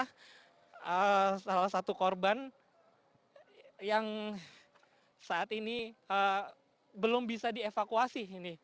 ada salah satu korban yang saat ini belum bisa dievakuasi